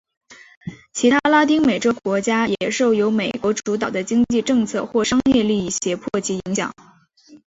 其他拉丁美洲国家也受由美国主导的经济政策或商业利益胁迫及影响。